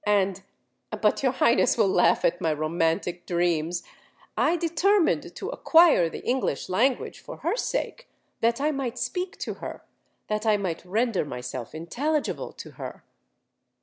And,—but your Highness will laugh at my romantic dreams,—I determined to acquire the English language for her sake—that I might speak to her—that I might render myself intelligible to her!"